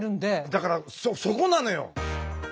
だからそこなのよ。